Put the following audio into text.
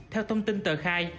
theo thông tin tờ khai